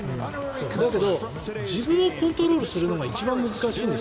だけど自分をコントロールするのが一番難しいんです